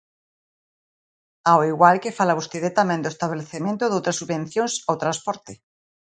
Ao igual que fala vostede tamén do establecemento doutras subvencións ao transporte.